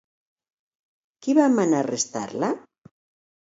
Qui va manar arrestar-la?